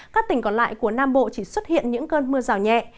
các tỉnh còn lại của nam bộ chỉ xuất hiện những cơn mưa rào nhẹ